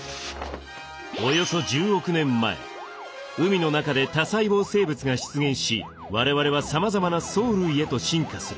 およそ１０億年前海の中で多細胞生物が出現し我々はさまざまな藻類へと進化する。